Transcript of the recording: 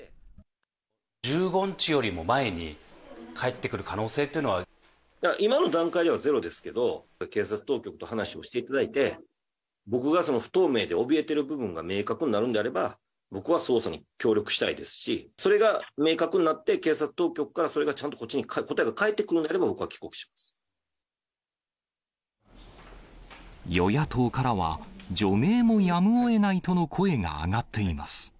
１５日よりも前に、帰ってく今の段階ではゼロですけど、警察当局と話をしていただいて、僕が不透明でおびえている部分が明確になるんであれば、僕は捜査に協力したいですし、それが明確になって、警察当局からそれがちゃんとこっちに答えが返ってくるんであれば、与野党からは、除名もやむをえないとの声が上がっています。